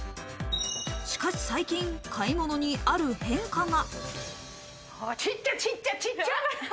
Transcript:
しかし最近、買い物にある変化が。